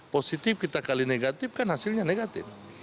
positif kita kali negatif kan hasilnya negatif